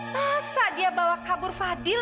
masa dia bawa kabur fadil